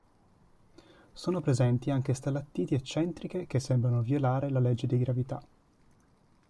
Sono presenti anche stalattiti eccentriche che sembrano violare la legge di gravità.